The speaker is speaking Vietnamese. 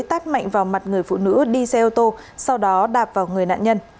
tát mạnh vào mặt người phụ nữ đi xe ô tô sau đó đạp vào người nạn nhân